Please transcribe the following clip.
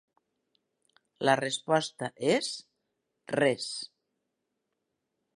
La resposta és: res.